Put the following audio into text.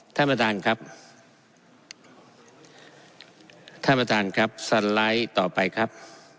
ท่านประธานครับท่านประธานครับสไลด์ต่อไปครับ